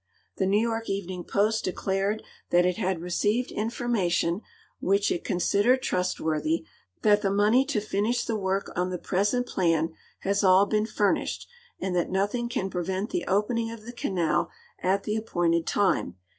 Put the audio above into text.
The New York Evening Poet declared that it had received information which it considered trustworthy that the money to finish the work on the j)resent plan has all been furnished, and that nothing can prevent the opening of the canal at the appointed time, e.